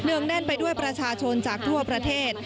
งแน่นไปด้วยประชาชนจากทั่วประเทศ